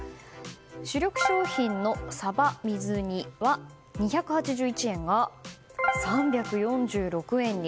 主力商品の、さば水煮は２８１円が３４６円に。